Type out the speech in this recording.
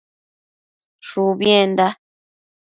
Shubienda